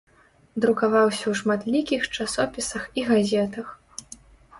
Друкаваўся ў шматлікіх часопісах і газетах.